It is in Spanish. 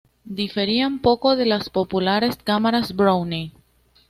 Diferían poco de las populares cámaras Brownie.